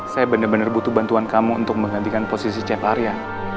saya benar benar butuh bantuan kamu untuk menggantikan posisi chef arya